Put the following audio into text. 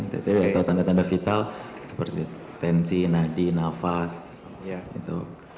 atau tanda tanda vital seperti tensi nadi nafas gitu